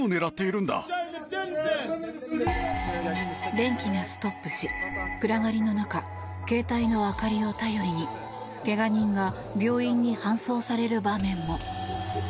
電気がストップし、暗がりの中携帯の明かりを頼りにけが人が病院に搬送される場面も。